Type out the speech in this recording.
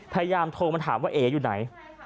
พยายามโทรมาถามว่าเอ๋อยู่ไหน